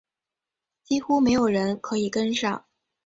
几乎没有人可以跟上